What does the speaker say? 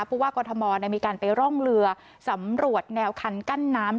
ผู้ว่ากรทมมีการไปร่องเรือสำรวจแนวคันกั้นน้ำ